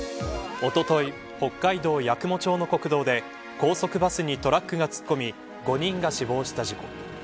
おととい北海道八雲町の国道で高速バスにトラックが突っ込み５人が死亡した事故。